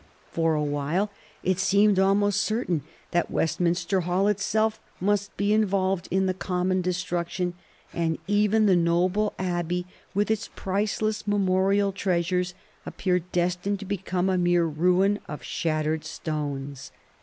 For a while it seemed almost certain that Westminster Hall itself must be involved in the common destruction, and even the noble Abbey, with its priceless memorial treasures, appeared destined to become a mere ruin of shattered stones.